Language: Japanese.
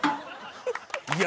いや。